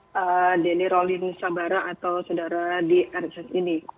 saudara deni rolin sabara atau saudara di rss ini